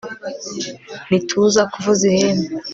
nituza kuvuza ihembe